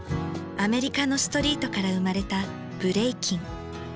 アメリカのストリートから生まれたブレイキン。